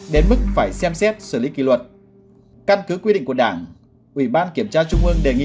đến mức phải xem xét xử lý kỳ luật căn cứ quy định của đảng ủy ban kiểm tra trung ương đề nghị